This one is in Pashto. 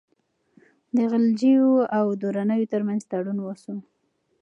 د غلجیو او درانیو ترمنځ تړون وسو.